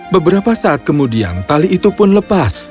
beberapa saat kemudian tali itu pun lepas